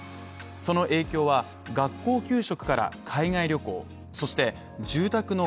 その影響は学校給食から海外旅行そして住宅の